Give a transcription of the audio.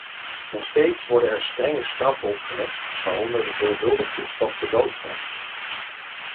Nog steeds worden er strenge straffen opgelegd, waaronder de veelvuldig toegepaste doodstraf.